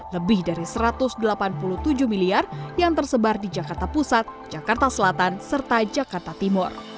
lebih dari satu ratus delapan puluh tujuh miliar yang tersebar di jakarta pusat jakarta selatan serta jakarta timur